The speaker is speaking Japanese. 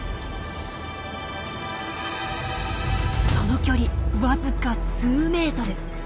その距離わずか数メートル。